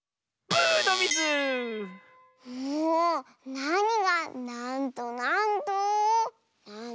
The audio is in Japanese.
なにが「なんとなんと」なの！